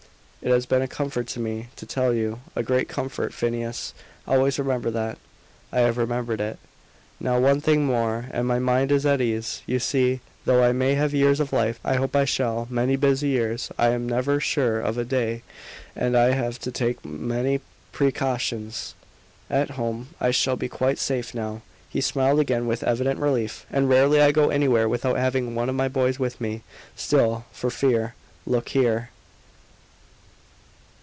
It has been a comfort to me to tell you a great comfort, Phineas. Always remember that." I have remembered it. "Now, one thing more, and my mind is at ease. You see, though I may have years of life I hope I shall many busy years I am never sure of a day, and I have to take many precautions. At home I shall be quite safe now." He smiled again, with evident relief. "And rarely I go anywhere without having one of my boys with me. Still, for fear look here."